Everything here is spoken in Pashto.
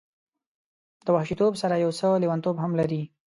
د وحشي توب سره یو څه لیونتوب هم لري.